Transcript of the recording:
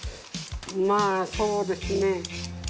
まぁそうですね。